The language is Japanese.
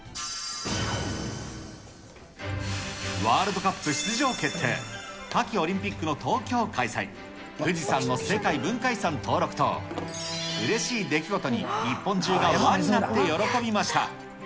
ワールドカップ出場決定、夏季オリンピックの東京開催、富士山の世界文化遺産登録と、うれしい出来事に日本中が輪になって喜びました。